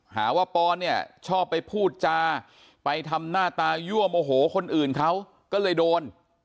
หาว่าปอนเนี่ยชอบไปพูดจาไปทำหน้าตายั่วโมโหคนอื่นเขาก็เลยโดน